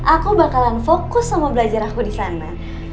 aku bakalan fokus sama belajar aku disana